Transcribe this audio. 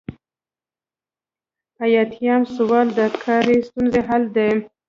ایاتیام سوال د کاري ستونزو حل دی.